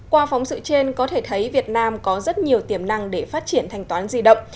qua phóng sự trên có thể thấy việt nam có rất nhiều tiềm năng để phát triển thanh toán di động